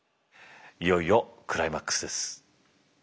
いよいよクライマックスです。